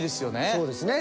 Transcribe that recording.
そうですね。